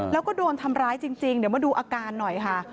แล้วก็โดนทำร้ายจริงเดี๋ยวมาดูอาการหน่อยค่ะ